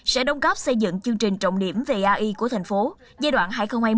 sẽ đồng góp xây dựng chương trình trọng điểm về ai của thành phố giai đoạn hai nghìn hai mươi hai nghìn ba mươi